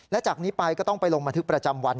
และจากนี้ไปก็ต้องไปลงบันทึกประจำวัน